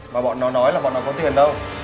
và bọn nó nói là bọn nó có tiền đâu